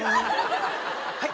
はい？